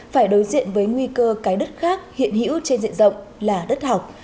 phải đối diện với nguy cơ cái đất khác hiện hữu trên diện rộng là đất học